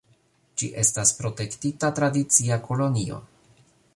Ĝi estas protektita tradicia kolonio.